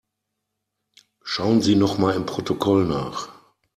Schauen Sie nochmal im Protokoll nach.